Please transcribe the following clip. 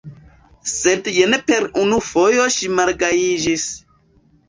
Sed jen per unu fojo ŝi malgajiĝis.